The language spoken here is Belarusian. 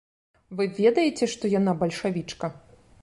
Вы ведаеце, што яна бальшавічка?